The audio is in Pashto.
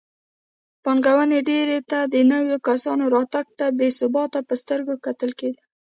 پانګونې ډګر ته د نویو کسانو راتګ ته بې ثباتۍ په سترګه کتل کېدل.